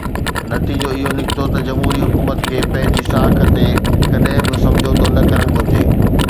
نتيجو اهو نڪتو ته جمهوري حڪومت کي پنهنجي ساک تي ڪڏهن به سمجهوتو نه ڪرڻ گهرجي.